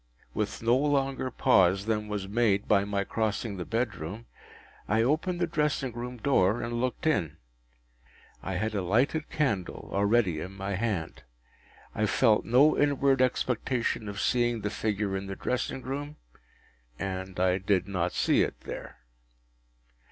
With no longer pause than was made by my crossing the bedroom, I opened the dressing room door, and looked in. I had a lighted candle already in my hand. I felt no inward expectation of seeing the figure in the dressing room, and I did not see it there.